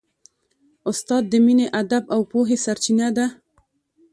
استاد د مینې، ادب او پوهې سرچینه ده.